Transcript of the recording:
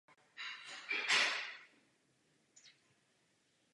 Psychedelické účinky se mohou měnit v závislosti na dávkování a prostředí.